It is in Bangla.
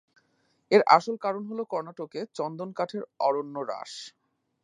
এর আসল কারণ হল কর্ণাটকে চন্দন কাঠের অরণ্য হ্রাস।